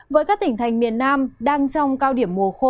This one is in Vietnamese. với các tỉnh thành miền nam đang trong cao điểm một